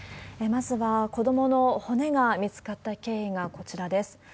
まずは子どもの骨が見つかった経緯がこちらです。